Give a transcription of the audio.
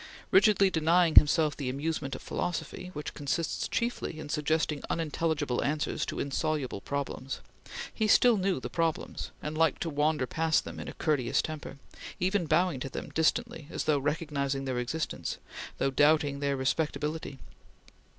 Rigidly denying himself the amusement of philosophy, which consists chiefly in suggesting unintelligible answers to insoluble problems, he still knew the problems, and liked to wander past them in a courteous temper, even bowing to them distantly as though recognizing their existence, while doubting their respectability.